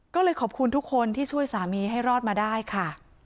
ก็เลยขอบคุณทุกคนที่ช่วยสามีให้รอดมาได้ค่ะ